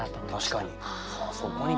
確かに。